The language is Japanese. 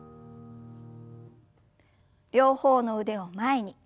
両方の腕を前に。